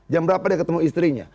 jam berapa dia ketemu istrinya